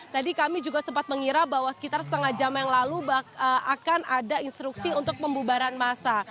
tadi kami juga sempat mengira bahwa sekitar setengah jam yang lalu akan ada instruksi untuk pembubaran massa